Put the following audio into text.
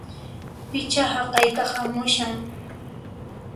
Pichá haqayta hamushan!